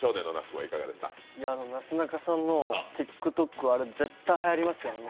なすなかさんのＴｉｋＴｏｋ、絶対はやりますよ。